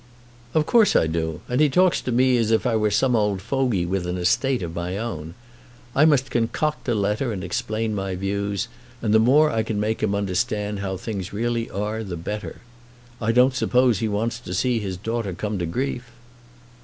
"Of course I do; and he talks to me as if I were some old fogy with an estate of my own. I must concoct a letter and explain my views; and the more I can make him understand how things really are the better. I don't suppose he wants to see his daughter come to grief."